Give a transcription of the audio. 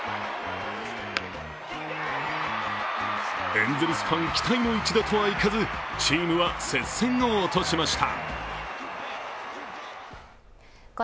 エンゼルスファン期待の一打とはいかず、チームは接戦を落としました。